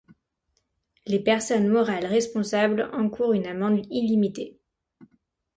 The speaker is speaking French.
Les personnes morales responsables encourent une amende illimitée.